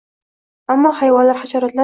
— Ammo, hayvonlar, hasharotlar...